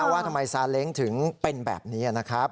ว่าทำไมซาเล้งถึงเป็นแบบนี้นะครับ